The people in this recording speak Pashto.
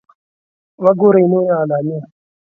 .وګورئ نورې علامې